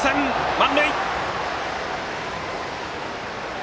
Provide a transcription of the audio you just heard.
満塁！